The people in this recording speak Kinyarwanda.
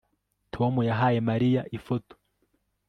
Tom yahaye Mariya ifoto